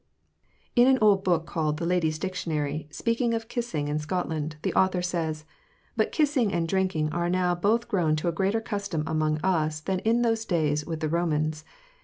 In an old book called "The Ladies Dictionary," speaking of kissing in Scotland, the author says: "But kissing and drinking are now both grown to a greater custom among us than in those days with the Romans."